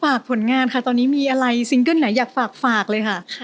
ผลงานค่ะตอนนี้มีอะไรซิงเกิ้ลไหนอยากฝากเลยค่ะ